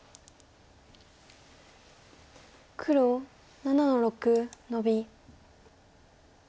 黒７の六ノビ。